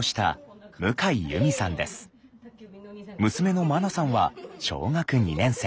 娘のまなさんは小学２年生。